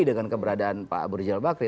dengan keberadaan pak burj al bakri